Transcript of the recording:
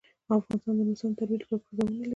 افغانستان د نورستان د ترویج لپاره پروګرامونه لري.